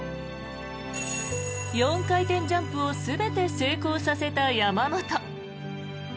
４回転ジャンプを全て成功させた山本。